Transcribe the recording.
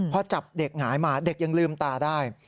พอจับเด็กหงายมาเด็กยังลืมตาได้